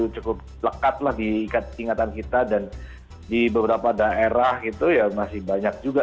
cukup lekat lah diingatan kita dan di beberapa daerah itu ya masih banyak juga